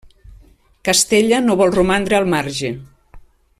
Castella no vol romandre al marge.